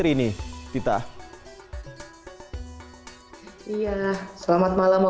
tita haritul ikhwani selamat malam